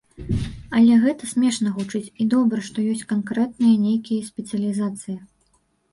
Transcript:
Але гэта смешна гучыць, і добра, што ёсць канкрэтныя нейкія спецыялізацыі.